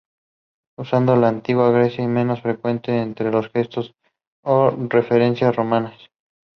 The same year Kyiv experienced the peak in tram routes development in its history.